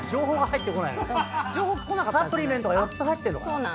サプリメントが４つ入ってるのかな？